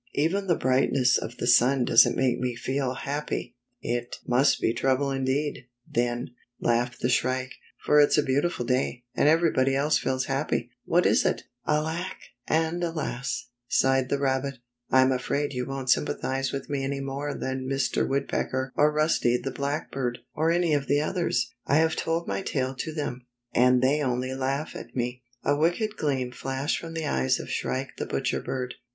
" Even the brightness of the sun doesn't make me feel happy." '' It must be trouble indeed, then," laughed the Shrike, " for it's a beautiful day, and everybody else feels happy. What is it?" " Alack ! And alas !" sighed the rabbit. " I'm afraid you won't sympathize with me any more than Mr. Woodpecker or Rusty the Blackbird 62 Spotted Tail Stirs up Revolt or any of the others. I have told my tale to them, and they only laught at me." A wicked gleam flashed from the eyes of Shrike the Butcher Bird.